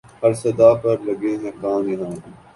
ہر صدا پر لگے ہیں کان یہاں